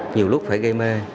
nhiều lúc phải gây mê